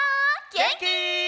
げんき？